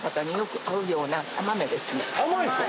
甘いんですか？